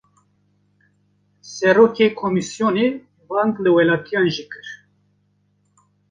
Serokê komîsyonê, bang li welatiyan jî kir